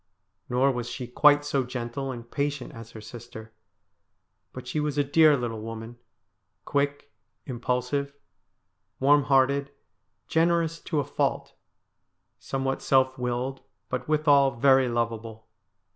Nor was she quite so gentle and patient as her sister, but she was a dear little woman — quick, impulsive, warm hearted, generous to a fault, somewhat self willed but withal very lovable.